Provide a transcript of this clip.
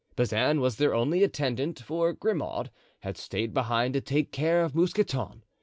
Bazin was their only attendant, for Grimaud had stayed behind to take care of Mousqueton.